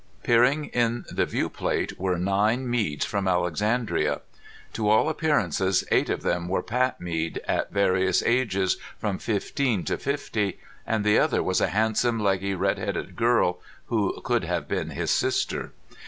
Peering in the viewplate were nine Meads from Alexandria. To all appearances, eight of them were Pat Mead at various ages, from fifteen to fifty, and the other was a handsome, leggy, red headed girl who could have been his sister.